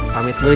pamit dulu ya